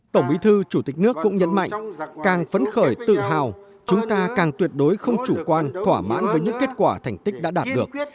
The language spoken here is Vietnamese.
tổng bí thư chủ tịch nước cũng nhấn mạnh càng phấn khởi tự hào chúng ta càng tuyệt đối không chủ quan thỏa mãn với những kết quả thành tích đã đạt được